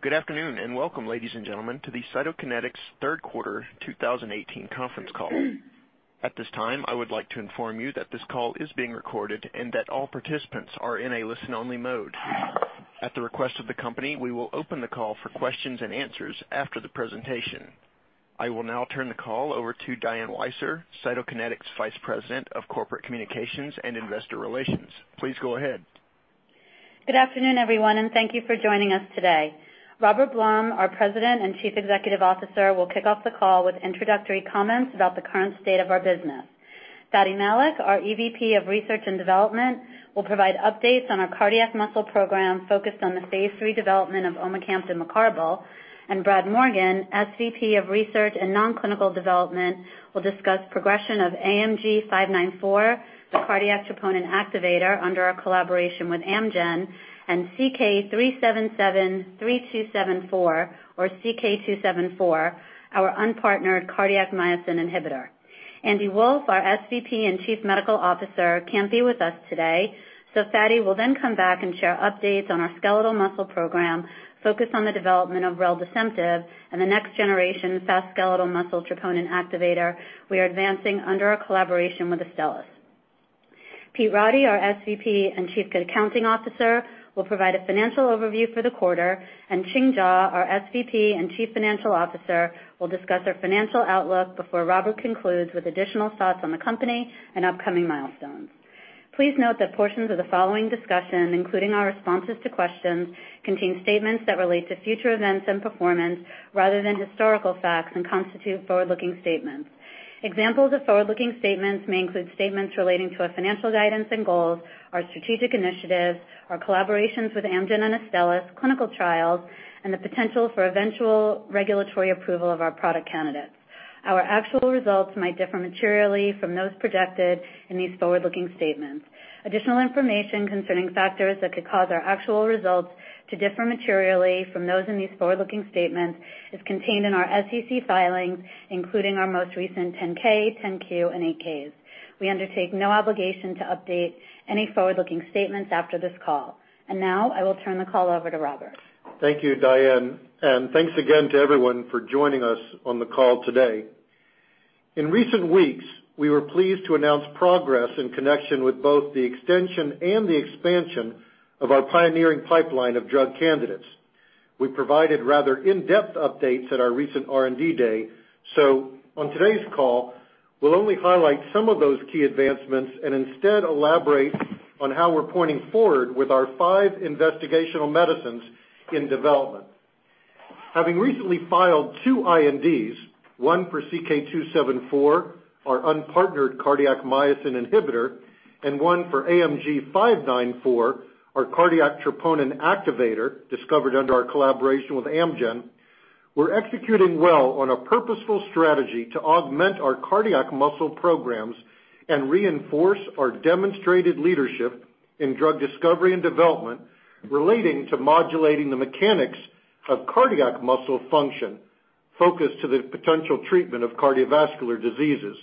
Good afternoon, and welcome, ladies and gentlemen, to the Cytokinetics third quarter 2018 conference call. At this time, I would like to inform you that this call is being recorded and that all participants are in a listen-only mode. At the request of the company, we will open the call for questions and answers after the presentation. I will now turn the call over to Diane Weiser, Cytokinetics' Vice President of Corporate Communications and Investor Relations. Please go ahead. Good afternoon, everyone, and thank you for joining us today. Robert Blum, our President and Chief Executive Officer, will kick off the call with introductory comments about the current state of our business. Fady I. Malik, our EVP of Research and Development, will provide updates on our cardiac muscle program focused on the phase III development of omecamtiv mecarbil. Brad Morgan, SVP of Research and Non-Clinical Development, will discuss progression of AMG 594, the cardiac troponin activator under our collaboration with Amgen, and CK-3773274 or CK-274, our unpartnered cardiac myosin inhibitor. Andy Wolff, our SVP and Chief Medical Officer, can't be with us today. Fady will then come back and share updates on our skeletal muscle program focused on the development of reldesemtiv and the next generation fast skeletal muscle troponin activator we are advancing under our collaboration with Astellas. Pete Roddy, our SVP and Chief Accounting Officer, will provide a financial overview for the quarter. Ching W. Jaw, our SVP and Chief Financial Officer, will discuss our financial outlook before Robert concludes with additional thoughts on the company and upcoming milestones. Please note that portions of the following discussion, including our responses to questions, contain statements that relate to future events and performance rather than historical facts and constitute forward-looking statements. Examples of forward-looking statements may include statements relating to our financial guidance and goals, our strategic initiatives, our collaborations with Amgen and Astellas, clinical trials, and the potential for eventual regulatory approval of our product candidates. Our actual results might differ materially from those projected in these forward-looking statements. Additional information concerning factors that could cause our actual results to differ materially from those in these forward-looking statements is contained in our SEC filings, including our most recent 10-K, 10-Q, and 8-Ks. We undertake no obligation to update any forward-looking statements after this call. Now I will turn the call over to Robert. Thank you, Diane. Thanks again to everyone for joining us on the call today. In recent weeks, we were pleased to announce progress in connection with both the extension and the expansion of our pioneering pipeline of drug candidates. We provided rather in-depth updates at our recent R&D day. On today's call, we'll only highlight some of those key advancements and instead elaborate on how we're pointing forward with our five investigational medicines in development. Having recently filed two INDs, one for CK-274, our unpartnered cardiac myosin inhibitor, and one for AMG 594, our cardiac troponin activator discovered under our collaboration with Amgen. We're executing well on a purposeful strategy to augment our cardiac muscle programs and reinforce our demonstrated leadership in drug discovery and development relating to modulating the mechanics of cardiac muscle function focused to the potential treatment of cardiovascular diseases.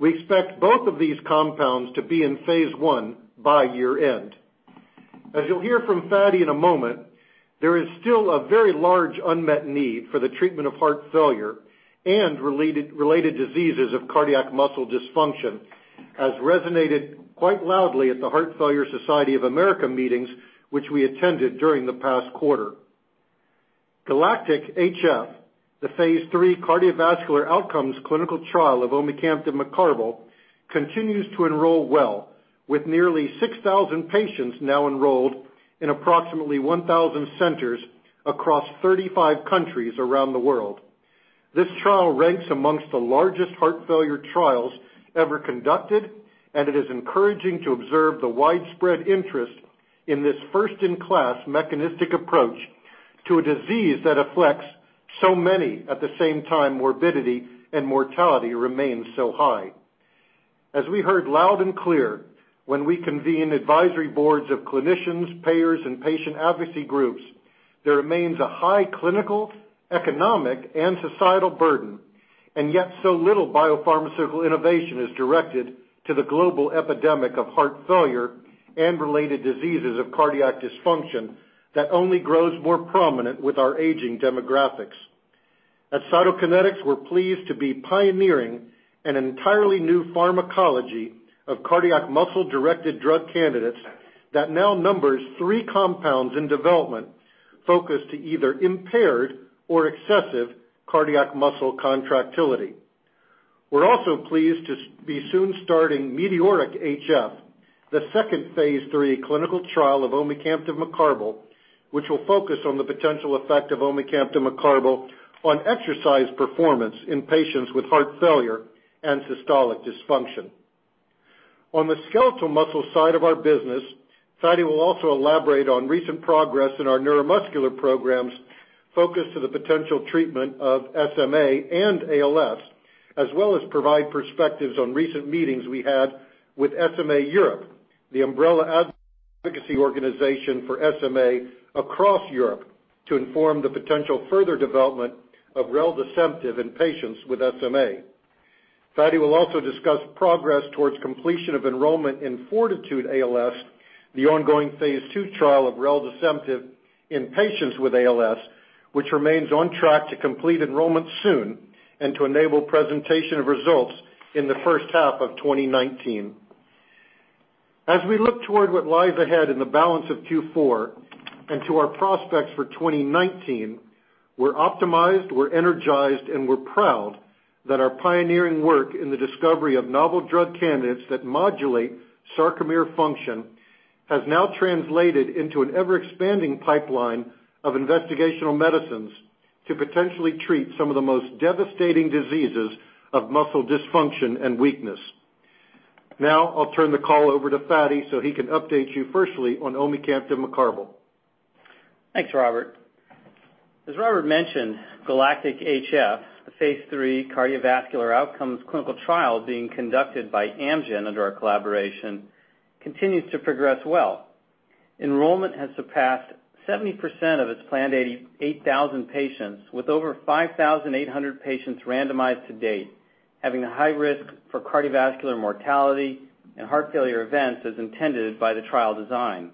We expect both of these compounds to be in phase I by year-end. As you'll hear from Fady in a moment, there is still a very large unmet need for the treatment of heart failure and related diseases of cardiac muscle dysfunction, as resonated quite loudly at the Heart Failure Society of America meetings, which we attended during the past quarter. GALACTIC-HF, the phase III cardiovascular outcomes clinical trial of omecamtiv mecarbil, continues to enroll well with nearly 6,000 patients now enrolled in approximately 1,000 centers across 35 countries around the world. It is encouraging to observe the widespread interest in this first-in-class mechanistic approach to a disease that afflicts so many at the same time morbidity and mortality remains so high. As we heard loud and clear when we convene advisory boards of clinicians, payers, and patient advocacy groups, there remains a high clinical, economic, and societal burden. Yet so little biopharmaceutical innovation is directed to the global epidemic of heart failure and related diseases of cardiac dysfunction that only grows more prominent with our aging demographics. At Cytokinetics, we're pleased to be pioneering an entirely new pharmacology of cardiac muscle-directed drug candidates that now numbers three compounds in development focused to either impaired or excessive cardiac muscle contractility. We're also pleased to be soon starting METEORIC-HF, the second phase III clinical trial of omecamtiv mecarbil, which will focus on the potential effect of omecamtiv mecarbil on exercise performance in patients with heart failure and systolic dysfunction. On the skeletal muscle side of our business, Fady will also elaborate on recent progress in our neuromuscular programs focused to the potential treatment of SMA and ALS, as well as provide perspectives on recent meetings we had with SMA Europe, the umbrella advocacy organization for SMA across Europe to inform the potential further development of reldesemtiv in patients with SMA. Fady will also discuss progress towards completion of enrollment in FORTITUDE-ALS, the ongoing phase II trial of reldesemtiv in patients with ALS, which remains on track to complete enrollment soon and to enable presentation of results in the first half of 2019. As we look toward what lies ahead in the balance of Q4 and to our prospects for 2019, we're optimized, we're energized, and we're proud that our pioneering work in the discovery of novel drug candidates that modulate sarcomere function has now translated into an ever-expanding pipeline of investigational medicines to potentially treat some of the most devastating diseases of muscle dysfunction and weakness. Now, I'll turn the call over to Fady so he can update you firstly on omecamtiv mecarbil. Thanks, Robert. As Robert mentioned, GALACTIC-HF, a phase III cardiovascular outcomes clinical trial being conducted by Amgen under our collaboration, continues to progress well. Enrollment has surpassed 70% of its planned 8,000 patients, with over 5,800 patients randomized to date, having a high risk for cardiovascular mortality and heart failure events as intended by the trial design.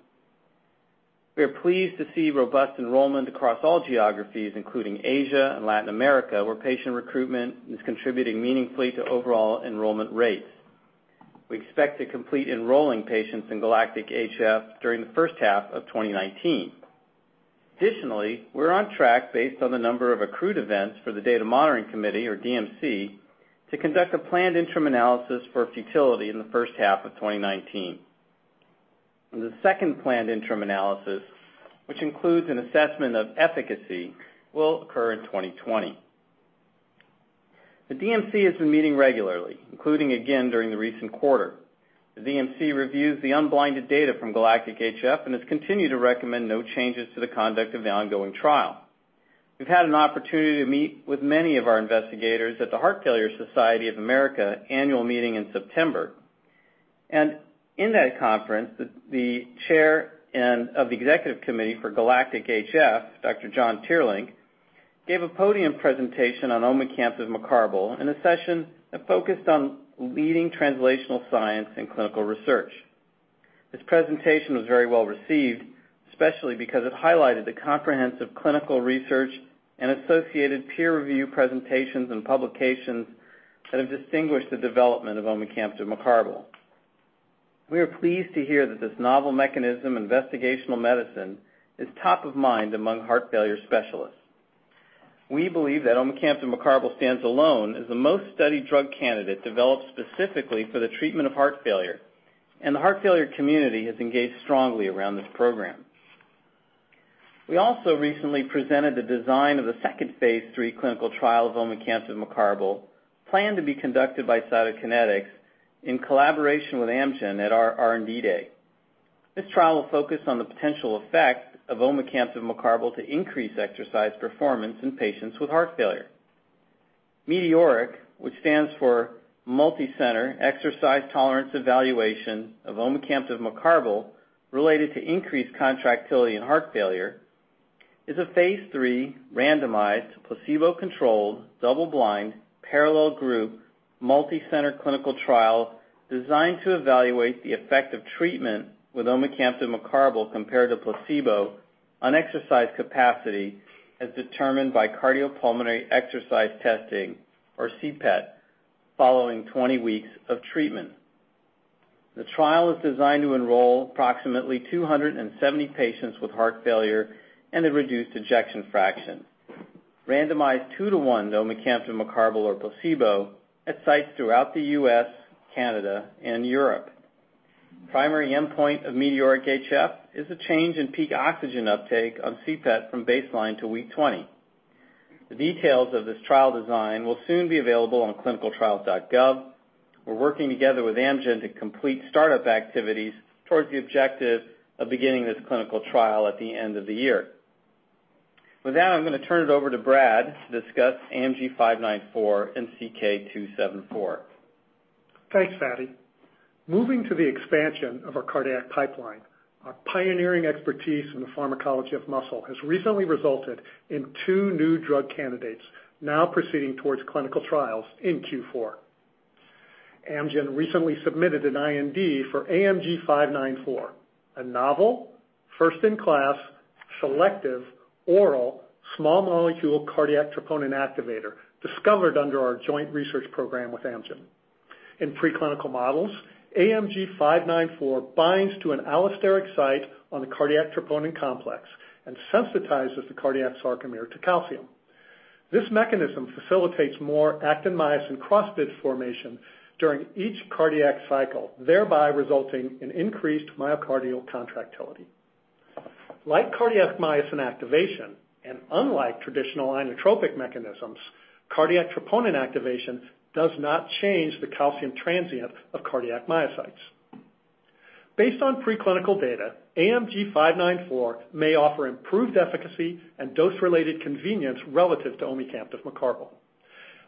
We are pleased to see robust enrollment across all geographies, including Asia and Latin America, where patient recruitment is contributing meaningfully to overall enrollment rates. We expect to complete enrolling patients in GALACTIC-HF during the first half of 2019. Additionally, we're on track based on the number of accrued events for the Data Monitoring Committee, or DMC, to conduct a planned interim analysis for futility in the first half of 2019. The second planned interim analysis, which includes an assessment of efficacy, will occur in 2020. The DMC has been meeting regularly, including again during the recent quarter. The DMC reviews the unblinded data from GALACTIC-HF and has continued to recommend no changes to the conduct of the ongoing trial. We've had an opportunity to meet with many of our investigators at the Heart Failure Society of America annual meeting in September. In that conference, the chair of the executive committee for GALACTIC-HF, Dr. John Teerlink, gave a podium presentation on omecamtiv mecarbil in a session that focused on leading translational science and clinical research. This presentation was very well received, especially because it highlighted the comprehensive clinical research and associated peer review presentations and publications that have distinguished the development of omecamtiv mecarbil. We are pleased to hear that this novel mechanism investigational medicine is top of mind among heart failure specialists. We believe that omecamtiv mecarbil stands alone as the most studied drug candidate developed specifically for the treatment of heart failure, and the heart failure community has engaged strongly around this program. We also recently presented the design of the second phase III clinical trial of omecamtiv mecarbil planned to be conducted by Cytokinetics in collaboration with Amgen at our R&D Day. This trial will focus on the potential effect of omecamtiv mecarbil to increase exercise performance in patients with heart failure. METEORIC, which stands for Multicenter Exercise Tolerance Evaluation of Omecamtiv Mecarbil Related to Increased Contractility in Heart Failure, is a phase III randomized, placebo-controlled, double-blind, parallel group, multicenter clinical trial designed to evaluate the effect of treatment with omecamtiv mecarbil compared to placebo on exercise capacity as determined by cardiopulmonary exercise testing, or CPET, following 20 weeks of treatment. The trial is designed to enroll approximately 270 patients with heart failure and a reduced ejection fraction. Randomized two to one to omecamtiv mecarbil or placebo at sites throughout the U.S., Canada, and Europe. Primary endpoint of METEORIC-HF is a change in peak oxygen uptake on CPET from baseline to week 20. The details of this trial design will soon be available on clinicaltrials.gov. We're working together with Amgen to complete startup activities towards the objective of beginning this clinical trial at the end of the year. With that, I'm going to turn it over to Brad to discuss AMG 594 and CK-274. Thanks, Fady. Moving to the expansion of our cardiac pipeline, our pioneering expertise in the pharmacology of muscle has recently resulted in two new drug candidates now proceeding towards clinical trials in Q4. Amgen recently submitted an IND for AMG 594, a novel, first-in-class, selective oral small molecule cardiac troponin activator discovered under our joint research program with Amgen. In preclinical models, AMG 594 binds to an allosteric site on the cardiac troponin complex and sensitizes the cardiac sarcomere to calcium. This mechanism facilitates more actin-myosin cross-bridge formation during each cardiac cycle, thereby resulting in increased myocardial contractility. Like cardiac myosin activation and unlike traditional inotropic mechanisms, cardiac troponin activation does not change the calcium transient of cardiac myocytes. Based on preclinical data, AMG 594 may offer improved efficacy and dose-related convenience relative to omecamtiv mecarbil.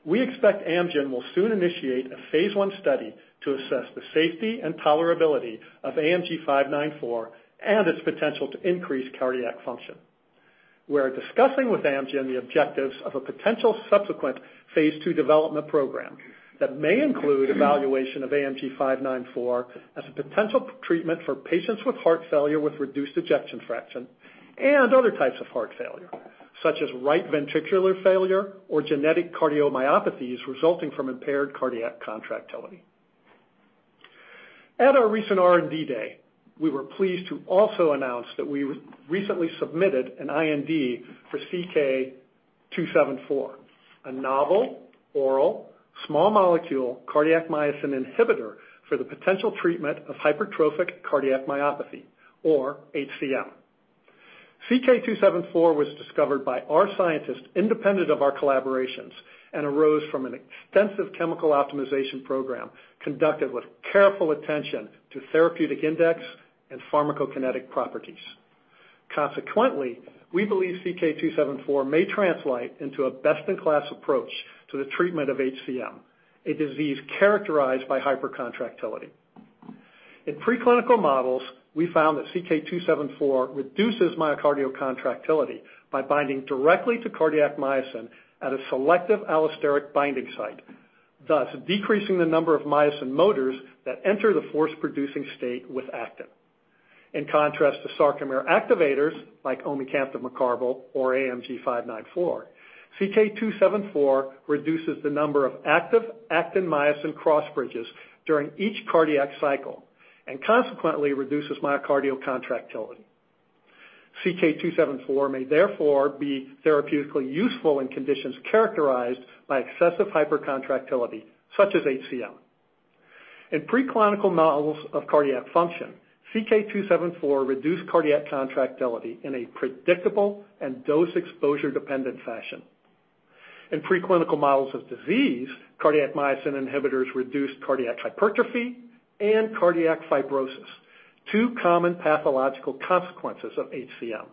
We expect Amgen will soon initiate a phase I study to assess the safety and tolerability of AMG 594 and its potential to increase cardiac function. We're discussing with Amgen the objectives of a potential subsequent phase II development program that may include evaluation of AMG 594 as a potential treatment for patients with heart failure with reduced ejection fraction, and other types of heart failure, such as right ventricular failure or genetic cardiomyopathies resulting from impaired cardiac contractility. At our recent R&D day, we were pleased to also announce that we recently submitted an IND for CK-274, a novel oral small molecule cardiac myosin inhibitor for the potential treatment of hypertrophic cardiomyopathy or HCM. CK-274 was discovered by our scientists independent of our collaborations and arose from an extensive chemical optimization program conducted with careful attention to therapeutic index and pharmacokinetic properties. We believe CK-274 may translate into a best-in-class approach to the treatment of HCM, a disease characterized by hypercontractility. In preclinical models, we found that CK-274 reduces myocardial contractility by binding directly to cardiac myosin at a selective allosteric binding site, thus decreasing the number of myosin motors that enter the force-producing state with actin. In contrast to sarcomere activators like omecamtiv mecarbil or AMG 594, CK-274 reduces the number of active actin-myosin cross bridges during each cardiac cycle, and consequently reduces myocardial contractility. CK-274 may therefore be therapeutically useful in conditions characterized by excessive hypercontractility, such as HCM. In preclinical models of cardiac function, CK-274 reduced cardiac contractility in a predictable and dose-exposure dependent fashion. In preclinical models of disease, cardiac myosin inhibitors reduced cardiac hypertrophy and cardiac fibrosis, two common pathological consequences of HCM.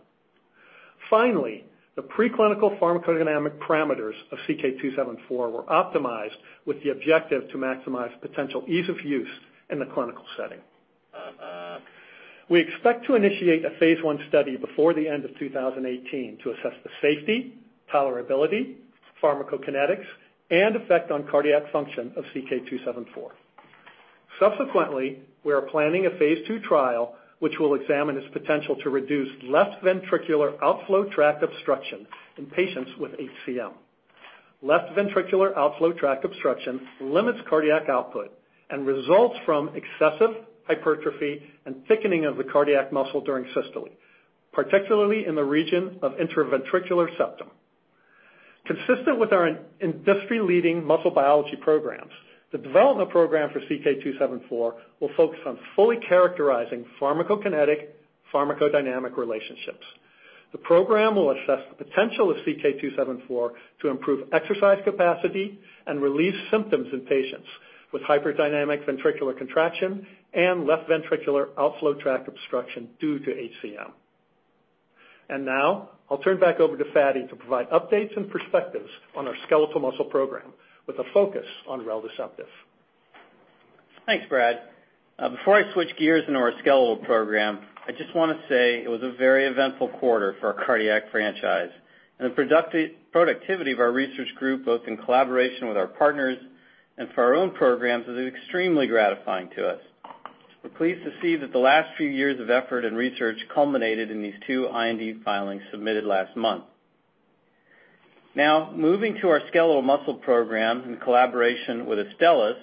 Finally, the preclinical pharmacodynamic parameters of CK-274 were optimized with the objective to maximize potential ease of use in the clinical setting. We expect to initiate a phase I study before the end of 2018 to assess the safety, tolerability, pharmacokinetics, and effect on cardiac function of CK-274. Subsequently, we are planning a phase II trial, which will examine its potential to reduce left ventricular outflow tract obstruction in patients with HCM. Left ventricular outflow tract obstruction limits cardiac output and results from excessive hypertrophy and thickening of the cardiac muscle during systole, particularly in the region of interventricular septum. Consistent with our industry-leading muscle biology programs, the development program for CK-274 will focus on fully characterizing pharmacokinetic, pharmacodynamic relationships. The program will assess the potential of CK-274 to improve exercise capacity and relieve symptoms in patients with hyperdynamic ventricular contraction and left ventricular outflow tract obstruction due to HCM. Now I'll turn back over to Fady to provide updates and perspectives on our skeletal muscle program with a focus on reldesemtiv. Thanks, Brad. Before I switch gears into our skeletal program, I just want to say it was a very eventful quarter for our cardiac franchise. The productivity of our research group, both in collaboration with our partners and for our own programs, is extremely gratifying to us. We're pleased to see that the last few years of effort and research culminated in these two IND filings submitted last month. Now moving to our skeletal muscle program in collaboration with Astellas,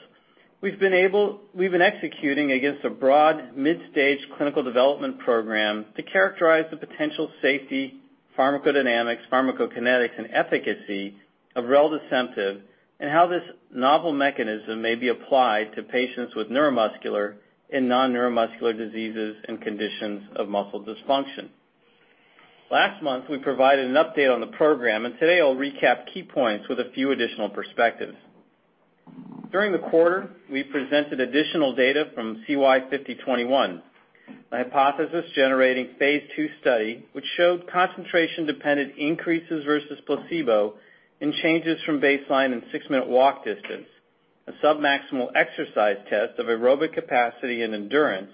we've been executing against a broad mid-stage clinical development program to characterize the potential safety, pharmacodynamics, pharmacokinetics, and efficacy of reldesemtiv, and how this novel mechanism may be applied to patients with neuromuscular and non-neuromuscular diseases and conditions of muscle dysfunction. Last month, we provided an update on the program, today I'll recap key points with a few additional perspectives. During the quarter, we presented additional data from CY 5021, a hypothesis-generating phase II study which showed concentration-dependent increases versus placebo in changes from baseline in six-minute walk distance, a submaximal exercise test of aerobic capacity and endurance,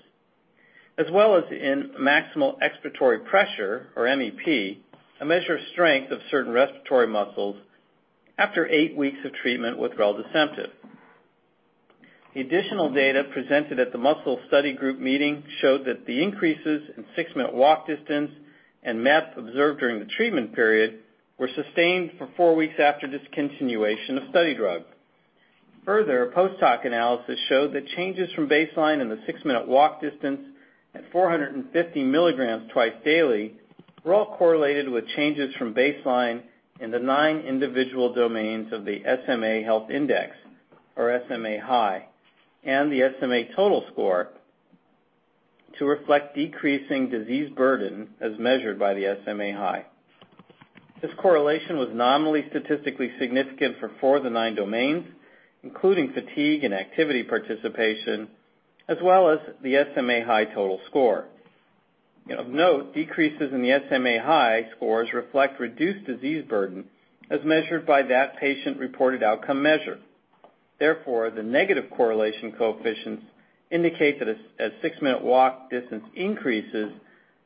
as well as in maximal expiratory pressure, or MEP, a measure of strength of certain respiratory muscles after eight weeks of treatment with reldesemtiv. The additional data presented at the muscle study group meeting showed that the increases in six-minute walk distance and MEPs observed during the treatment period were sustained for four weeks after discontinuation of study drug. Further, a post-hoc analysis showed that changes from baseline in the six-minute walk distance at 450 milligrams twice daily were all correlated with changes from baseline in the nine individual domains of the SMA Health Index, or SMA-HI, and the SMA total score to reflect decreasing disease burden as measured by the SMA-HI. This correlation was nominally statistically significant for four of the nine domains, including fatigue and activity participation, as well as the SMA-HI total score. Of note, decreases in the SMA-HI scores reflect reduced disease burden as measured by that patient-reported outcome measure. The negative correlation coefficients indicate that as six-minute walk distance increases,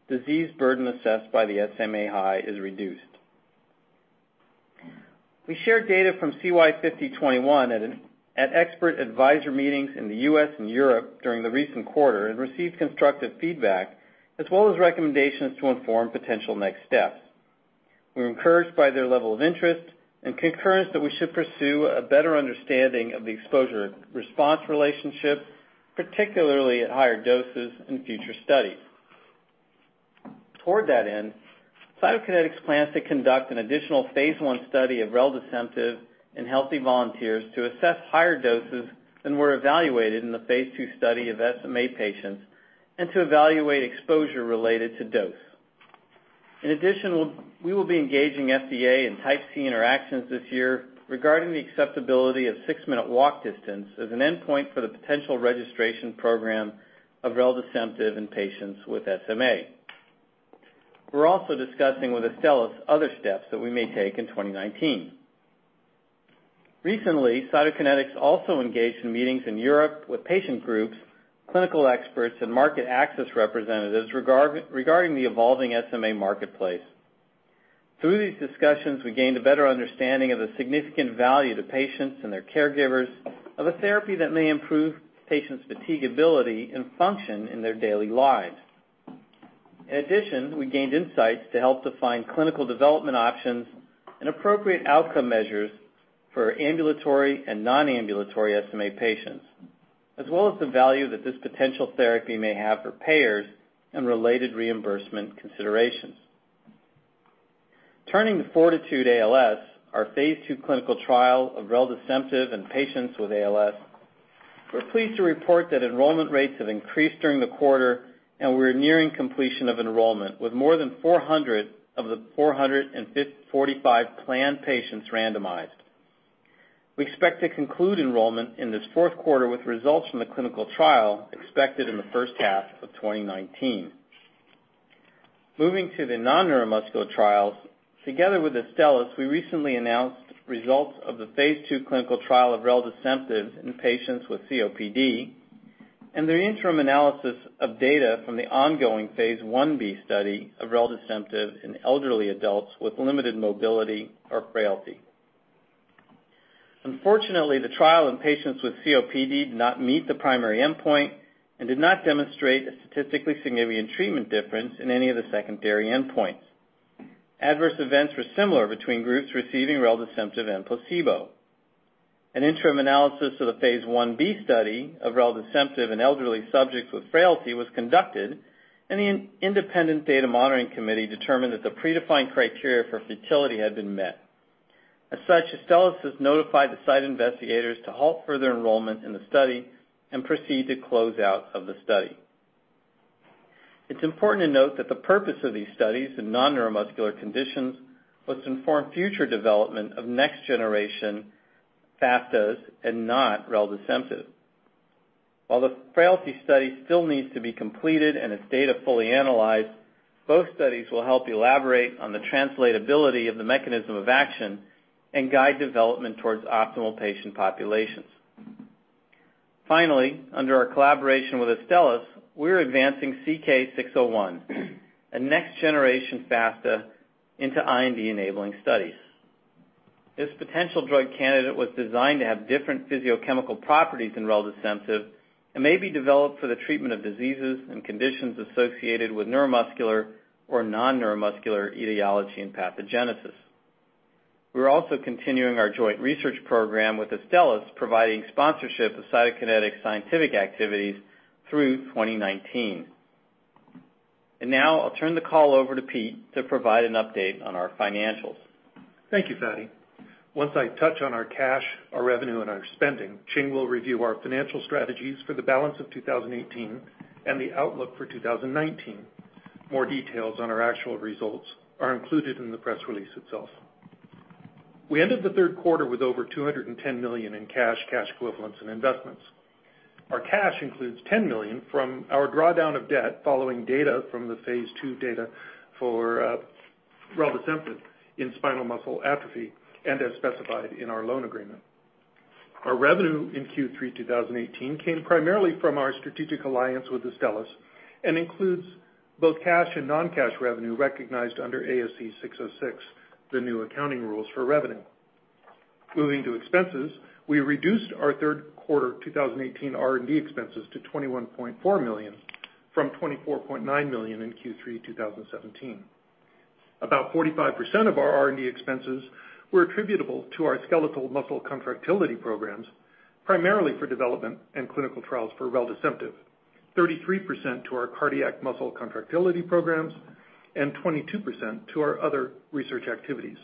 disease burden assessed by the SMA-HI is reduced. We share data from CY 5021 at expert advisor meetings in the U.S. and Europe during the recent quarter and received constructive feedback, as well as recommendations to inform potential next steps. We're encouraged by their level of interest and concurrence that we should pursue a better understanding of the exposure-response relationship, particularly at higher doses in future studies. Toward that end, Cytokinetics plans to conduct an additional phase I study of reldesemtiv in healthy volunteers to assess higher doses than were evaluated in the phase II study of SMA patients and to evaluate exposure related to dose. In addition, we will be engaging FDA in type C interactions this year regarding the acceptability of six-minute walk distance as an endpoint for the potential registration program of reldesemtiv in patients with SMA. We're also discussing with Astellas other steps that we may take in 2019. Recently, Cytokinetics also engaged in meetings in Europe with patient groups, clinical experts, and market access representatives regarding the evolving SMA marketplace. Through these discussions, we gained a better understanding of the significant value to patients and their caregivers of a therapy that may improve patients' fatigability and function in their daily lives. In addition, we gained insights to help define clinical development options and appropriate outcome measures for ambulatory and non-ambulatory SMA patients, as well as the value that this potential therapy may have for payers and related reimbursement considerations. Turning to FORTITUDE-ALS, our phase II clinical trial of reldesemtiv in patients with ALS, we're pleased to report that enrollment rates have increased during the quarter, and we're nearing completion of enrollment, with more than 400 of the 445 planned patients randomized. We expect to conclude enrollment in this fourth quarter, with results from the clinical trial expected in the first half of 2019. Moving to the non-neuromuscular trials, together with Astellas, we recently announced results of the phase II clinical trial of reldesemtiv in patients with COPD and the interim analysis of data from the ongoing phase I-B study of reldesemtiv in elderly adults with limited mobility or frailty. Unfortunately, the trial in patients with COPD did not meet the primary endpoint and did not demonstrate a statistically significant treatment difference in any of the secondary endpoints. Adverse events were similar between groups receiving reldesemtiv and placebo. An interim analysis of the phase I-B study of reldesemtiv in elderly subjects with frailty was conducted, and the independent data monitoring committee determined that the predefined criteria for futility had been met. As such, Astellas has notified the site investigators to halt further enrollment in the study and proceed to close out of the study. It's important to note that the purpose of these studies in non-neuromuscular conditions was to inform future development of next generation FASTAs and not reldesemtiv. While the frailty study still needs to be completed and its data fully analyzed, both studies will help elaborate on the translatability of the mechanism of action and guide development towards optimal patient populations. Finally, under our collaboration with Astellas, we're advancing CK-601, a next-generation FSTA, into IND-enabling studies. This potential drug candidate was designed to have different physiochemical properties than reldesemtiv and may be developed for the treatment of diseases and conditions associated with neuromuscular or non-neuromuscular etiology and pathogenesis. We're also continuing our joint research program with Astellas, providing sponsorship of Cytokinetics scientific activities through 2019. Now I'll turn the call over to Pete to provide an update on our financials. Thank you, Fady. Once I touch on our cash, our revenue, and our spending, Ching will review our financial strategies for the balance of 2018 and the outlook for 2019. More details on our actual results are included in the press release itself. We ended the third quarter with over $210 million in cash equivalents, and investments. Our cash includes $10 million from our drawdown of debt following data from the phase II data for reldesemtiv in spinal muscular atrophy and as specified in our loan agreement. Our revenue in Q3 2018 came primarily from our strategic alliance with Astellas and includes both cash and non-cash revenue recognized under ASC 606, the new accounting rules for revenue. Moving to expenses, we reduced our third quarter 2018 R&D expenses to $21.4 million from $24.9 million in Q3 2017. About 45% of our R&D expenses were attributable to our skeletal muscle contractility programs, primarily for development and clinical trials for reldesemtiv; 33% to our cardiac muscle contractility programs, and 22% to our other research activities.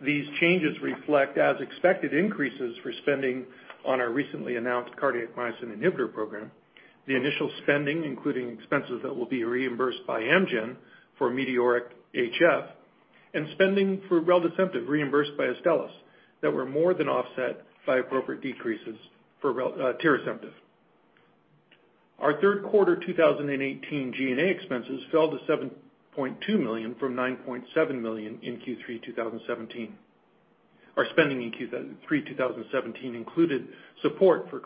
These changes reflect as expected increases for spending on our recently announced cardiac myosin inhibitor program, the initial spending, including expenses that will be reimbursed by Amgen for METEORIC-HF, and spending for reldesemtiv reimbursed by Astellas that were more than offset by appropriate decreases for tirasemtiv. Our third quarter 2018 G&A expenses fell to $7.2 million from $9.7 million in Q3 2017. Our spending in Q3 2017 included support for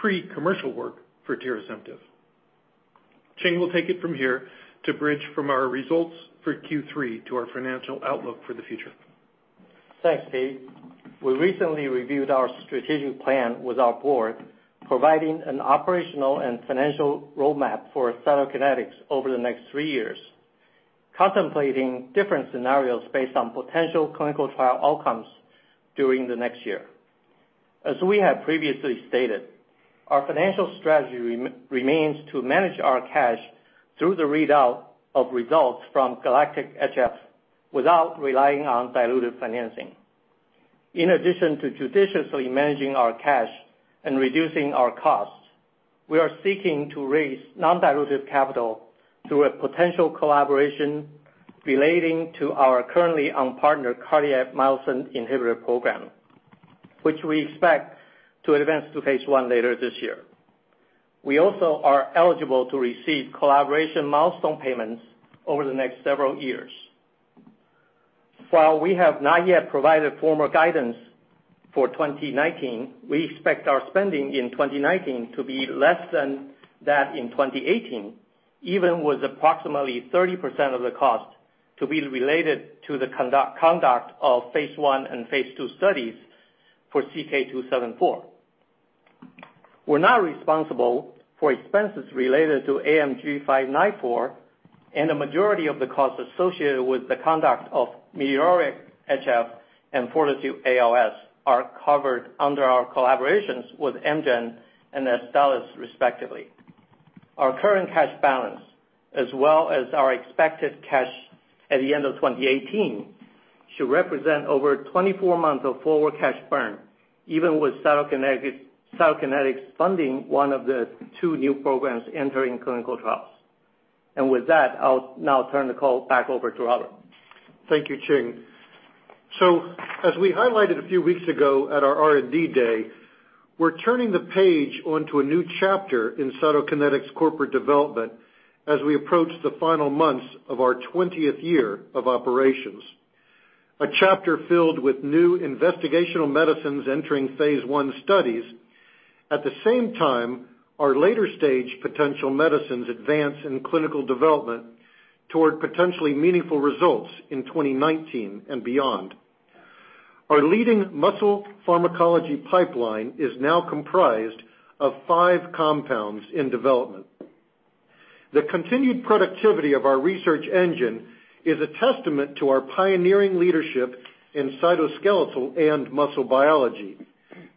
pre-commercial work for reldesemtiv. Ching will take it from here to bridge from our results for Q3 to our financial outlook for the future. Thanks, Pete. We recently reviewed our strategic plan with our board, providing an operational and financial roadmap for Cytokinetics over the next three years, contemplating different scenarios based on potential clinical trial outcomes during the next year. As we have previously stated, our financial strategy remains to manage our cash through the readout of results from GALACTIC-HF without relying on diluted financing. In addition to judiciously managing our cash and reducing our costs, we are seeking to raise non-dilutive capital through a potential collaboration relating to our currently unpartnered cardiac myosin inhibitor program, which we expect to advance to phase I later this year. We also are eligible to receive collaboration milestone payments over the next several years. While we have not yet provided formal guidance for 2019, we expect our spending in 2019 to be less than that in 2018, even with approximately 30% of the cost to be related to the conduct of phase I and phase II studies for CK-274. We're now responsible for expenses related to AMG 594, and the majority of the costs associated with the conduct of METEORIC-HF and FORTITUDE-ALS are covered under our collaborations with Amgen and Astellas, respectively. Our current cash balance, as well as our expected cash at the end of 2018, should represent over 24 months of forward cash burn, even with Cytokinetics funding one of the two new programs entering clinical trials. With that, I'll now turn the call back over to Robert. Thank you, Ching. As we highlighted a few weeks ago at our R&D day, we're turning the page onto a new chapter in Cytokinetics' corporate development as we approach the final months of our 20th year of operations. A chapter filled with new investigational medicines entering phase I studies. At the same time, our later-stage potential medicines advance in clinical development toward potentially meaningful results in 2019 and beyond. Our leading muscle pharmacology pipeline is now comprised of five compounds in development. The continued productivity of our research engine is a testament to our pioneering leadership in cytoskeletal and muscle biology,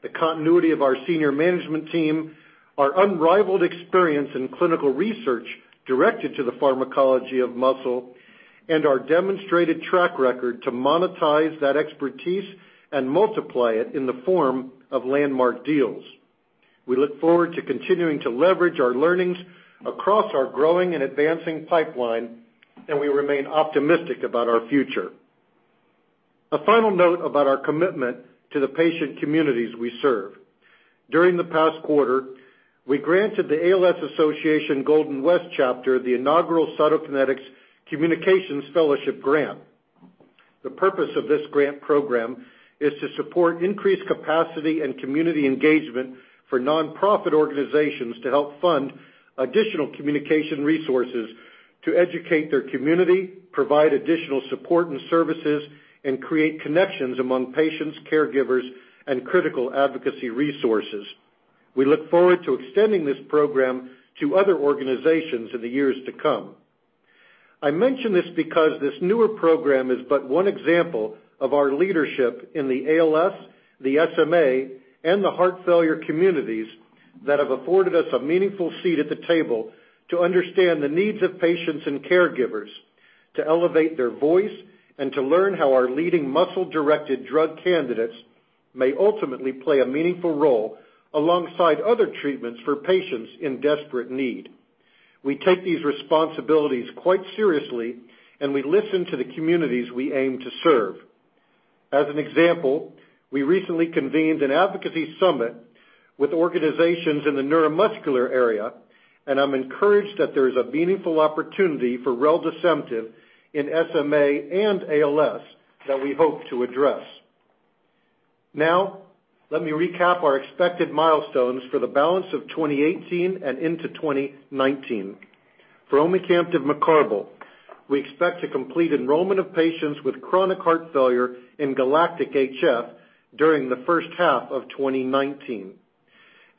the continuity of our senior management team, our unrivaled experience in clinical research directed to the pharmacology of muscle, and our demonstrated track record to monetize that expertise and multiply it in the form of landmark deals. We look forward to continuing to leverage our learnings across our growing and advancing pipeline. We remain optimistic about our future. A final note about our commitment to the patient communities we serve. During the past quarter, we granted the ALS Association Golden West Chapter the inaugural Cytokinetics Communications Fellowship Grant. The purpose of this grant program is to support increased capacity and community engagement for nonprofit organizations to help fund additional communication resources to educate their community, provide additional support and services, and create connections among patients, caregivers, and critical advocacy resources. We look forward to extending this program to other organizations in the years to come. I mention this because this newer program is but one example of our leadership in the ALS, the SMA, and the heart failure communities that have afforded us a meaningful seat at the table to understand the needs of patients and caregivers, to elevate their voice, and to learn how our leading muscle-directed drug candidates may ultimately play a meaningful role alongside other treatments for patients in desperate need. We take these responsibilities quite seriously, we listen to the communities we aim to serve. As an example, we recently convened an advocacy summit with organizations in the neuromuscular area, I'm encouraged that there is a meaningful opportunity for reldesemtiv in SMA and ALS that we hope to address. Let me recap our expected milestones for the balance of 2018 and into 2019. For omecamtiv mecarbil, we expect to complete enrollment of patients with chronic heart failure in GALACTIC-HF during the first half of 2019.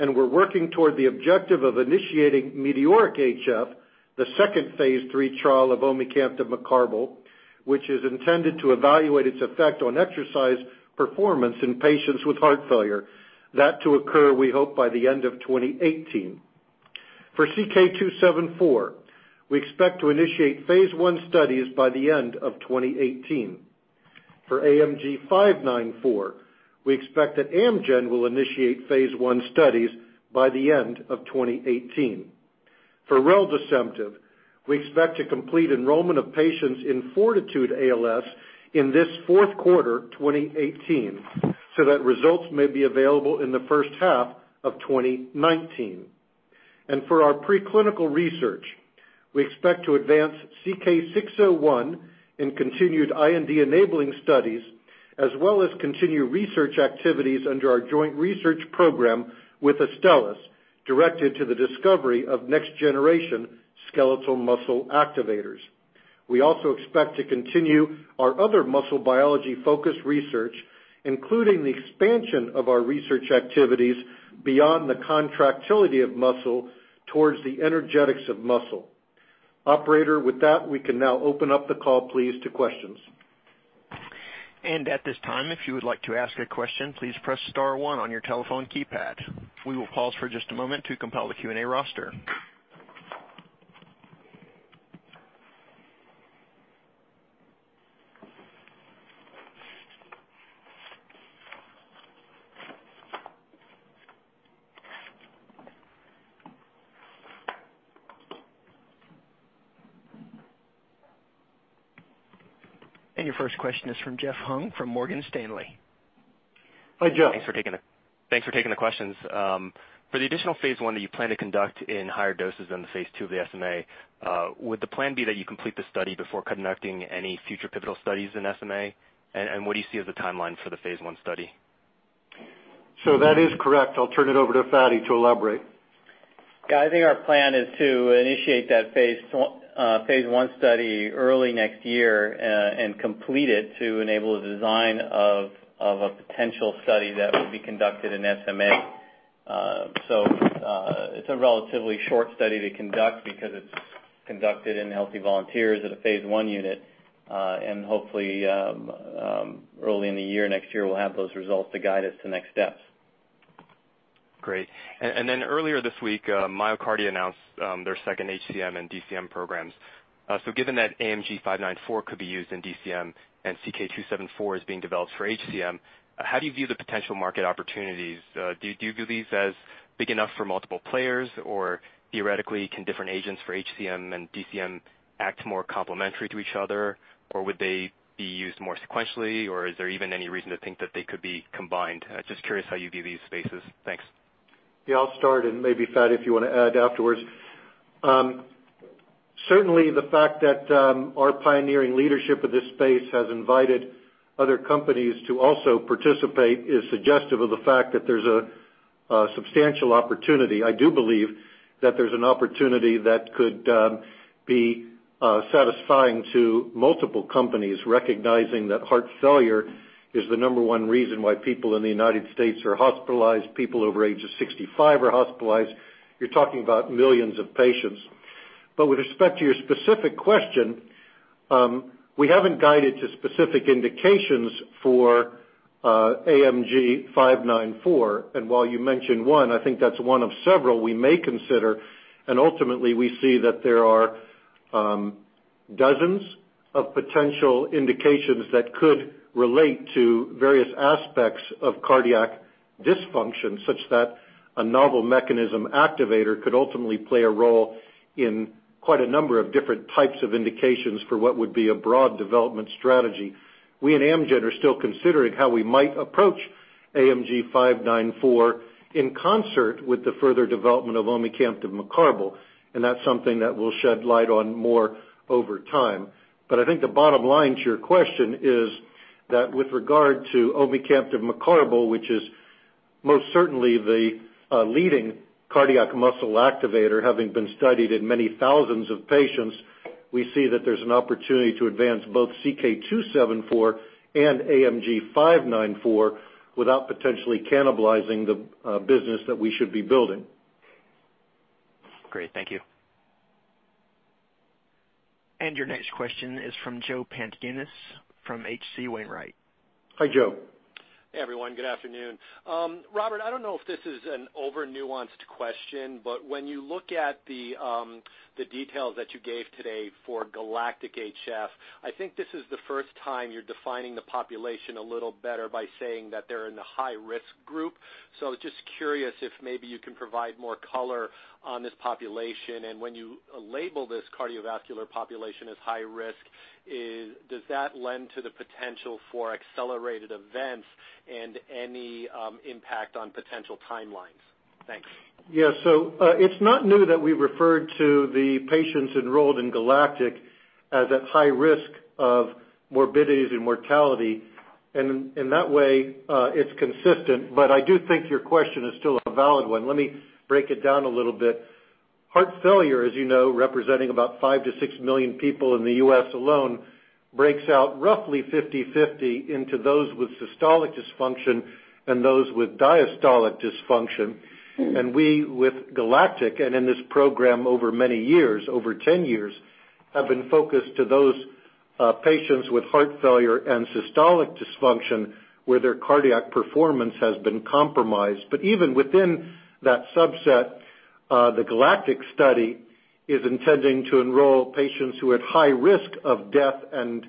We're working toward the objective of initiating METEORIC-HF, the second phase III trial of omecamtiv mecarbil, which is intended to evaluate its effect on exercise performance in patients with heart failure. That to occur, we hope by the end of 2018. For CK-274, we expect to initiate phase I studies by the end of 2018. For AMG 594, we expect that Amgen will initiate phase I studies by the end of 2018. For reldesemtiv. We expect to complete enrollment of patients in FORTITUDE-ALS in this fourth quarter 2018, so that results may be available in the first half of 2019. For our preclinical research, we expect to advance CK-601 in continued IND-enabling studies, as well as continue research activities under our joint research program with Astellas, directed to the discovery of next-generation skeletal muscle activators. We also expect to continue our other muscle biology-focused research, including the expansion of our research activities beyond the contractility of muscle towards the energetics of muscle. Operator, with that, we can now open up the call, please, to questions. At this time, if you would like to ask a question, please press star one on your telephone keypad. We will pause for just a moment to compile the Q&A roster. Your first question is from Jeff Hung, from Morgan Stanley. Hi, Jeff. Thanks for taking the questions. For the additional phase I that you plan to conduct in higher doses than the phase II of the SMA, would the plan be that you complete the study before conducting any future pivotal studies in SMA? What do you see as the timeline for the phase I study? That is correct. I'll turn it over to Fady to elaborate. I think our plan is to initiate that phase I study early next year and complete it to enable the design of a potential study that will be conducted in SMA. It's a relatively short study to conduct because it's conducted in healthy volunteers at a phase I unit. Hopefully, early in the year next year, we'll have those results to guide us to next steps. Great. Earlier this week, MyoKardia announced their second HCM and DCM programs. Given that AMG 594 could be used in DCM and CK-274 is being developed for HCM, how do you view the potential market opportunities? Do you view these as big enough for multiple players, or theoretically, can different agents for HCM and DCM act more complementary to each other? Would they be used more sequentially, or is there even any reason to think that they could be combined? Just curious how you view these spaces. Thanks. Yeah, I'll start, and maybe Fady, if you want to add afterwards. Certainly, the fact that our pioneering leadership of this space has invited other companies to also participate is suggestive of the fact that there's a substantial opportunity. I do believe that there's an opportunity that could be satisfying to multiple companies, recognizing that heart failure is the number one reason why people in the U.S. are hospitalized, people over the age of 65 are hospitalized. You're talking about millions of patients. With respect to your specific question, we haven't guided to specific indications for AMG 594. While you mentioned one, I think that's one of several we may consider. Ultimately, we see that there are dozens of potential indications that could relate to various aspects of cardiac dysfunction, such that a novel mechanism activator could ultimately play a role in quite a number of different types of indications for what would be a broad development strategy. We at Amgen are still considering how we might approach AMG 594 in concert with the further development of omecamtiv mecarbil, that's something that we'll shed light on more over time. I think the bottom line to your question is that with regard to omecamtiv mecarbil, which is most certainly the leading cardiac muscle activator, having been studied in many thousands of patients, we see that there's an opportunity to advance both CK-274 and AMG 594 without potentially cannibalizing the business that we should be building. Great. Thank you. Your next question is from Joe Pantginis from H.C. Wainwright & Co. Hi, Joe. Hey, everyone. Good afternoon. Robert, I don't know if this is an over-nuanced question, but when you look at the details that you gave today for GALACTIC-HF, I think this is the first time you're defining the population a little better by saying that they're in the high-risk group. Just curious if maybe you can provide more color on this population. When you label this cardiovascular population as high risk, does that lend to the potential for accelerated events and any impact on potential timelines? Thanks. Yeah. It's not new that we referred to the patients enrolled in GALACTIC as at high risk of morbidities and mortality. In that way, it's consistent, but I do think your question is still a valid one. Let me break it down a little bit. Heart failure, as you know, representing about five to six million people in the U.S. alone, breaks out roughly 50/50 into those with systolic dysfunction and those with diastolic dysfunction. We, with GALACTIC and in this program over many years, over 10 years, have been focused to those patients with heart failure and systolic dysfunction where their cardiac performance has been compromised. Even within that subset, the GALACTIC study is intending to enroll patients who are at high risk of death and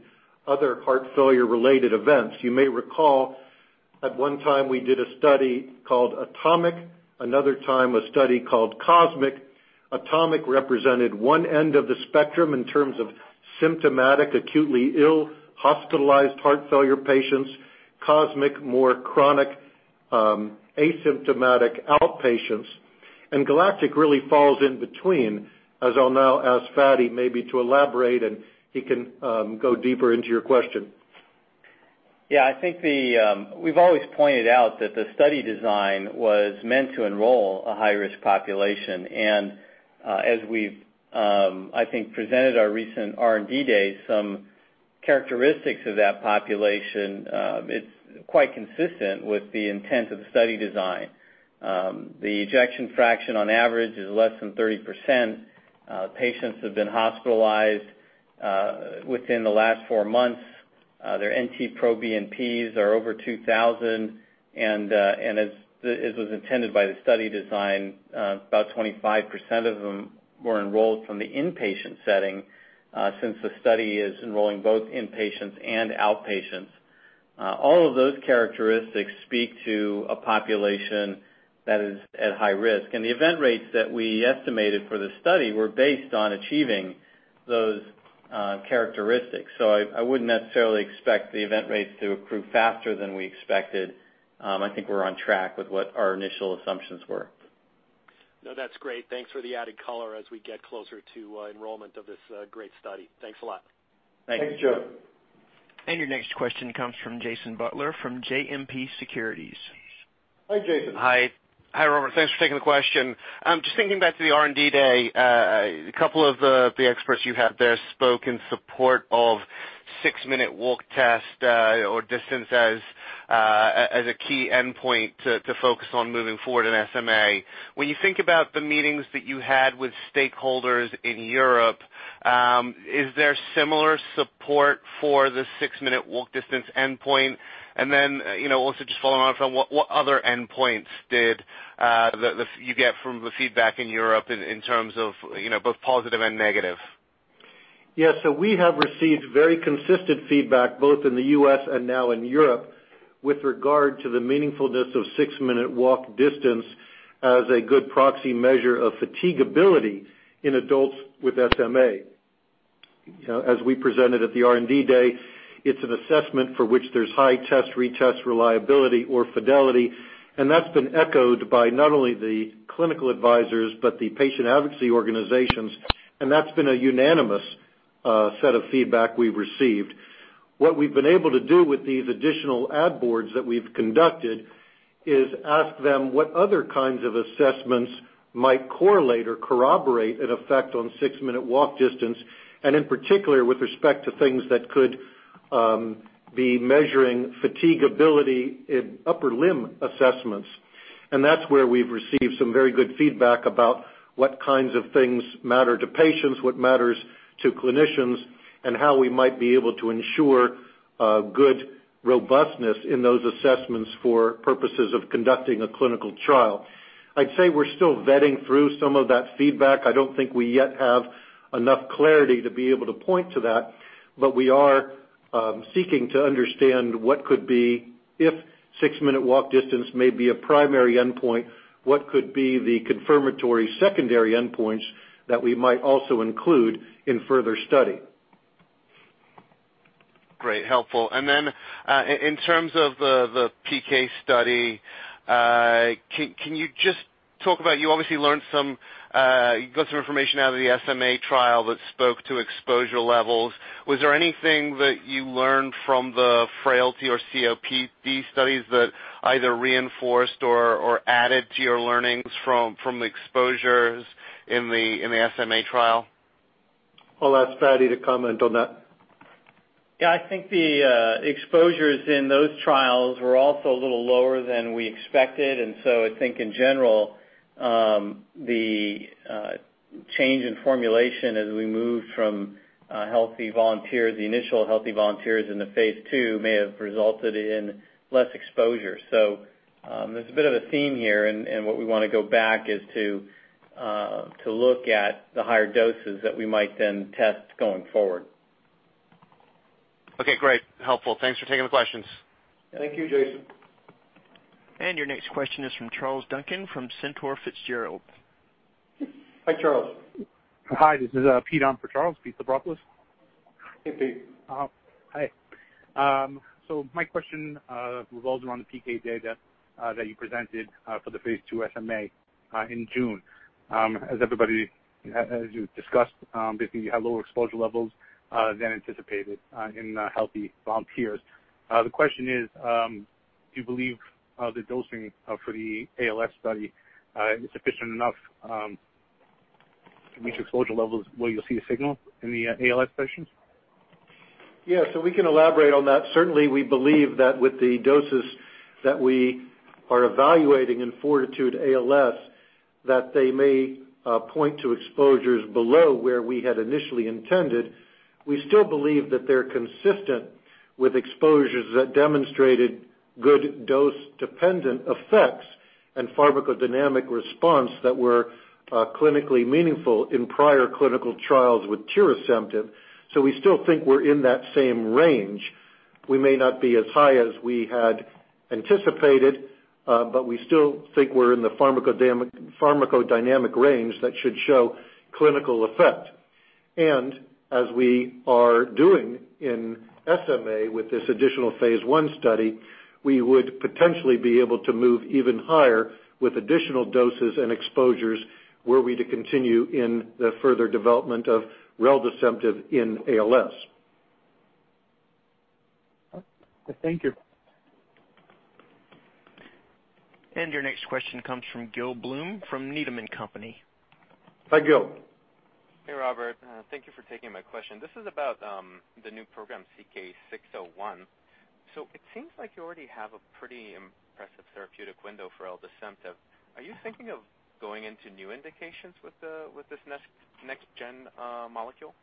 other heart failure-related events. You may recall. At one time, we did a study called ATOMIC-AHF, another time a study called COSMIC-HF. ATOMIC-AHF represented one end of the spectrum in terms of symptomatic, acutely ill, hospitalized heart failure patients. COSMIC-HF, more chronic, asymptomatic outpatients. GALACTIC-HF really falls in between. As I'll now ask Fady maybe to elaborate, and he can go deeper into your question. Yeah. I think we've always pointed out that the study design was meant to enroll a high-risk population. As we've, I think, presented our recent R&D Day, some characteristics of that population, it's quite consistent with the intent of the study design. The ejection fraction on average is less than 30%. Patients have been hospitalized within the last four months. Their NT-proBNPs are over 2,000, and as was intended by the study design, about 25% of them were enrolled from the inpatient setting, since the study is enrolling both inpatients and outpatients. All of those characteristics speak to a population that is at high risk, and the event rates that we estimated for the study were based on achieving those characteristics. I wouldn't necessarily expect the event rates to accrue faster than we expected. I think we're on track with what our initial assumptions were. No, that's great. Thanks for the added color as we get closer to enrollment of this great study. Thanks a lot. Thanks. Thanks, Joe. Your next question comes from Jason Butler from JMP Securities. Hi, Jason. Hi. Hi, Robert. Thanks for taking the question. Just thinking back to the R&D day. A couple of the experts you had there spoke in support of six-minute walk test or distance as a key endpoint to focus on moving forward in SMA. When you think about the meetings that you had with stakeholders in Europe, is there similar support for the six-minute walk distance endpoint? Then, also just following on from, what other endpoints did you get from the feedback in Europe in terms of both positive and negative? Yeah. We have received very consistent feedback both in the U.S. and now in Europe with regard to the meaningfulness of six-minute walk distance as a good proxy measure of fatigability in adults with SMA. As we presented at the R&D day, it's an assessment for which there's high test, retest reliability or fidelity, and that's been echoed by not only the clinical advisors but the patient advocacy organizations, and that's been a unanimous set of feedback we've received. What we've been able to do with these additional ad boards that we've conducted is ask them what other kinds of assessments might correlate or corroborate an effect on six-minute walk distance, and in particular, with respect to things that could be measuring fatigability in upper limb assessments. That's where we've received some very good feedback about what kinds of things matter to patients, what matters to clinicians, and how we might be able to ensure good robustness in those assessments for purposes of conducting a clinical trial. I'd say we're still vetting through some of that feedback. I don't think we yet have enough clarity to be able to point to that, but we are seeking to understand what could be if six-minute walk distance may be a primary endpoint, what could be the confirmatory secondary endpoints that we might also include in further study. Great. Helpful. Then, in terms of the PK study, can you just talk about, you obviously got some information out of the SMA trial that spoke to exposure levels. Was there anything that you learned from the frailty or COPD studies that either reinforced or added to your learnings from the exposures in the SMA trial? I'll ask Fady to comment on that. Yeah. I think the exposures in those trials were also a little lower than we expected. I think in general, the change in formulation as we moved from healthy volunteers, the initial healthy volunteers in the phase II may have resulted in less exposure. There's a bit of a theme here, and what we want to go back is to look at the higher doses that we might then test going forward. Okay, great. Helpful. Thanks for taking the questions. Thank you, Jason. Your next question is from Charles Duncan from Cantor Fitzgerald. Hi, Charles. Hi. This is Pete on for Charles. Peter Mavropoulos. Hey, Pete. Hi. My question revolves around the PK data that you presented for the phase II SMA in June. As you discussed, basically you had lower exposure levels than anticipated in healthy volunteers. The question is, do you believe the dosing for the ALS study is sufficient enough to reach exposure levels where you'll see a signal in the ALS patients? Yeah. We can elaborate on that. Certainly, we believe that with the doses that we are evaluating in FORTITUDE-ALS, that they may point to exposures below where we had initially intended. We still believe that they're consistent with exposures that demonstrated good dose-dependent effects and pharmacodynamic response that were clinically meaningful in prior clinical trials with tirasemtiv. We still think we're in that same range. We may not be as high as we had anticipated, but we still think we're in the pharmacodynamic range that should show clinical effect. As we are doing in SMA with this additional phase I study, we would potentially be able to move even higher with additional doses and exposures, were we to continue in the further development of reldesemtiv in ALS. Okay. Thank you. Your next question comes from Gil Blum, from Needham & Company. Hi, Gil. Hey, Robert. Thank you for taking my question. This is about the new program, CK-601. It seems like you already have a pretty impressive therapeutic window for reldesemtiv. Are you thinking of going into new indications with this next gen molecule?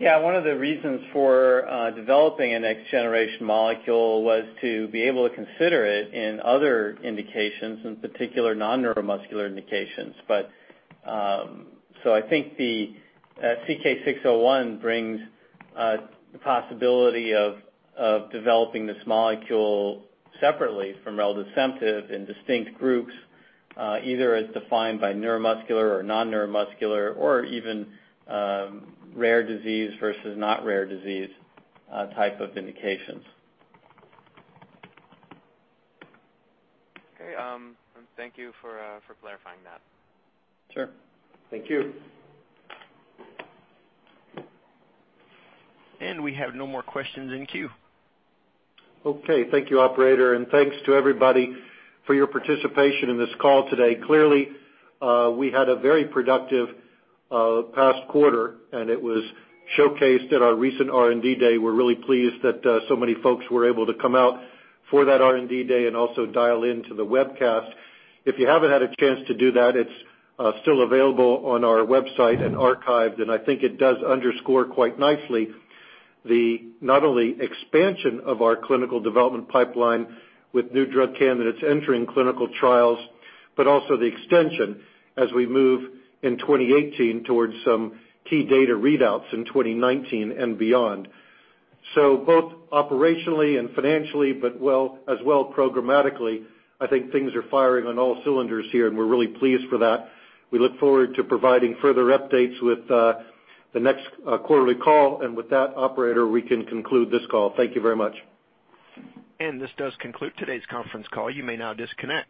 Yeah. One of the reasons for developing a next generation molecule was to be able to consider it in other indications, in particular non-neuromuscular indications. I think the CK-601 brings the possibility of developing this molecule separately from reldesemtiv in distinct groups, either as defined by neuromuscular or non-neuromuscular, or even rare disease versus not rare disease type of indications. Okay. Thank you for clarifying that. Sure. Thank you. We have no more questions in queue. Okay. Thank you, operator, and thanks to everybody for your participation in this call today. Clearly, we had a very productive past quarter, and it was showcased at our recent R&D day. We're really pleased that so many folks were able to come out for that R&D day and also dial into the webcast. If you haven't had a chance to do that, it's still available on our website and archived. I think it does underscore quite nicely the, not only expansion of our clinical development pipeline with new drug candidates entering clinical trials, but also the extension as we move in 2018 towards some key data readouts in 2019 and beyond. Both operationally and financially, but as well programmatically, I think things are firing on all cylinders here, and we're really pleased for that. We look forward to providing further updates with the next quarterly call. With that, operator, we can conclude this call. Thank you very much. This does conclude today's conference call. You may now disconnect.